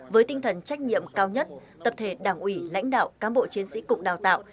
với tinh thần trách nhiệm cao nhất tập thể đảng ủy lãnh đạo cán bộ chiến sĩ cục đào tạo